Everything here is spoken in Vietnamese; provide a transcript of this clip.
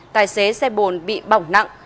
tài xế xe bồn bị bỏng nặng